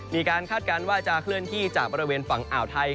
คาดการณ์ว่าจะเคลื่อนที่จากบริเวณฝั่งอ่าวไทย